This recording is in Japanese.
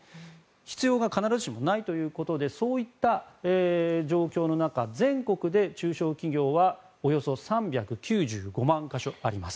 必要が必ずしもないということでそういった状況の中全国で中小企業はおよそ３９５万か所あります。